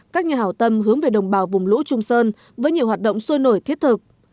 các nhà hảo tâm hướng về đồng bào vùng lũ trung sơn với nhiều hoạt động sôi nổi thiết thực